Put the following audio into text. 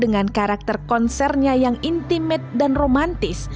dengan karakter konsernya yang intimate dan romantis